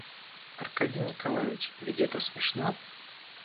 Аркадий Николаич, ведь это смешно?